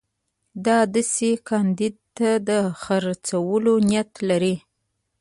ده داسې کاندید ته د خرڅولو نیت لري.